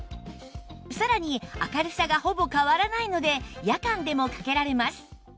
さらに明るさがほぼ変わらないので夜間でもかけられます